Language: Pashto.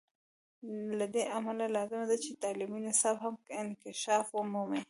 له دې امله لازمه ده چې تعلیمي نصاب هم انکشاف ومومي.